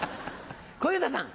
小遊三さん。